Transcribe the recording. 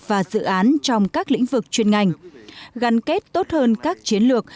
và dự án trong các lĩnh vực chuyên ngành gắn kết tốt hơn các chiến lược